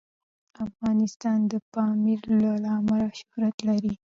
افغانستان د پامیر له امله شهرت لري.